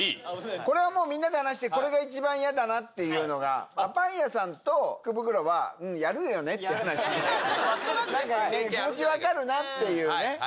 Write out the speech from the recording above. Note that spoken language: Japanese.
これはもうみんなで話して、これが一番嫌だなっていうのが、パン屋さんと、福袋は、やるよねって話して気持ち分かるなっていうね。